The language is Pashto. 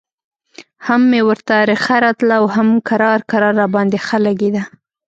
هم مې ورته رخه راتله او هم کرار کرار راباندې ښه لګېده.